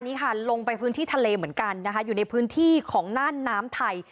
นี่ค่ะลงไปพื้นที่ทะเลเหมือนกันนะคะอยู่ในพื้นที่ของน่านน้ำไทย